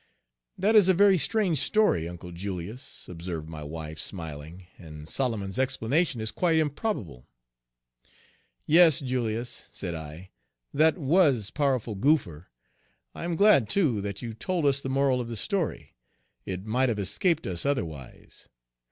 "That is a very strange story, Uncle Julius," observed my wife, smiling, "and Solomon's explanation is quite improbable." Page 101 "Yes, Julius," said I, "that was powerful goopher. I am glad, too, that you told us the moral of the story; it might have escaped us otherwise.